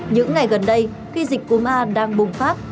những ngày gần đây khi dịch cúm a đang bùng phát